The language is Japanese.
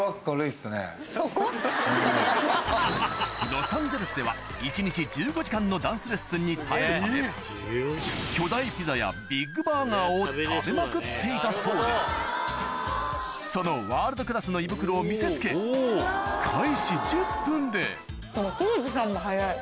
ロサンゼルスでは一日１５時間のダンスレッスンに耐えるため巨大ピザやビッグバーガーを食べまくっていたそうでそのワールドクラスの胃袋を見せつけｓｈｏｊｉさんも早い。